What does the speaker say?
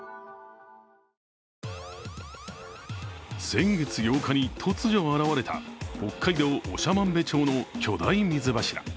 先月８日に突如現れた北海道長万部町の巨大水柱。